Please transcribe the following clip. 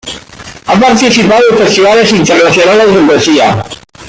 Ha participado en festivales internacionales de poesía.